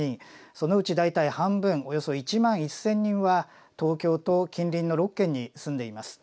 そのうち大体半分およそ１万１，０００人は東京と近隣の６県に住んでいます。